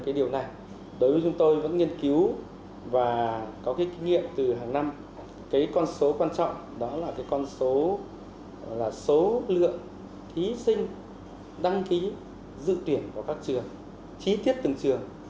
cái điều này đối với chúng tôi vẫn nghiên cứu và có cái kinh nghiệm từ hàng năm cái con số quan trọng đó là cái con số là số lượng thí sinh đăng ký dự tuyển vào các trường chi tiết từng trường